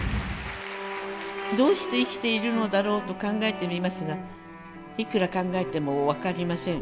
「どうして生きているのだろうと考えてみますがいくら考えても分かりません。